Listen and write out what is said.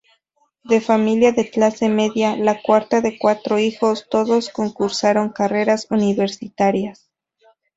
De familia de clase media, la cuarta de cuatro hijos, todos cursaron carreras universitarias.